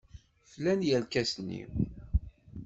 Flan yirkasen-inu.